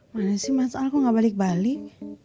mana sih mas aku nggak balik balik